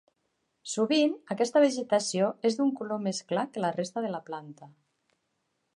Sovint, aquesta vegetació és d'un color més clar que la resta de la planta.